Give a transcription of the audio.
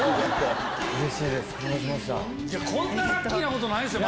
こんなラッキーなことないですよ